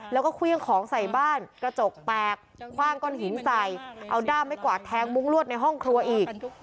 แล้วก็เครื่องของใส่บ้านกระจกแตกคว่างก้อนหินใส่เอาด้ามไม่กวาดแทงมุ้งลวดในห้องครัวอีก